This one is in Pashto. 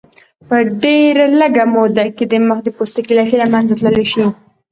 په ډېرې لږې موده کې د مخ د پوستکي لکې له منځه تللی شي.